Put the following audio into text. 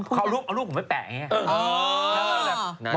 เขาเอารูปผมไปแปะอย่างนี้